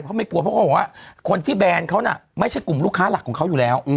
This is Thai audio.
เพราะไม่ปลูกว่าคนที่แบนเขาน่ะไม่ใช่กลุ่มลูกค้าหลักของเขาอยู่แล้ว